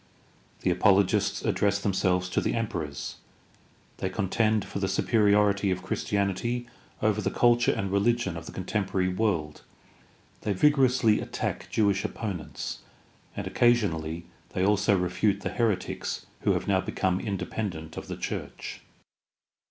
The apologists address themselves to the emperors; they contend for the superiority of Christianity over the culture and religion of THE STUDY OF EARLY CHRISTIANITY 301 the contemporary world; they vigorously attack Jewish opponents, and occasionally they also refute the heretics who have now become independent of the church.